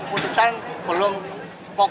putusan belum pokok